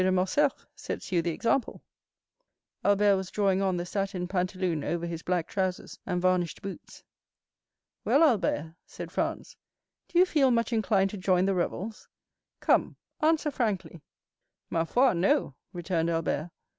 de Morcerf sets you the example." Albert was drawing on the satin pantaloon over his black trousers and varnished boots. "Well, Albert," said Franz, "do you feel much inclined to join the revels? Come, answer frankly." "Ma foi, no," returned Albert.